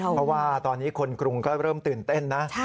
เพราะว่าตอนนี้คนกรุงก็เริ่มตื่นเต้นนะ